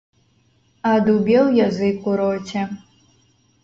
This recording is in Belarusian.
Адубеў язык у роце.